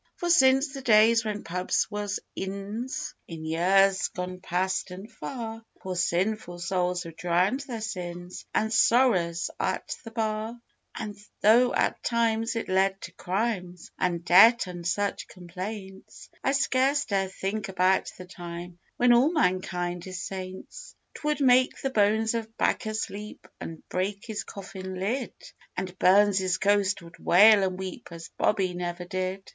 For since the days when pubs was 'inns' in years gone past 'n' far Poor sinful souls have drowned their sins an' sorrers at the bar; An' though at times it led to crimes, an' debt, and such complaints I scarce dare think about the time when all mankind is saints. 'Twould make the bones of Bacchus leap an' break his coffin lid; And Burns's ghost would wail an' weep as Bobby never did.